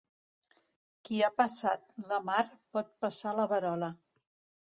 Qui ha passat la mar pot passar la verola.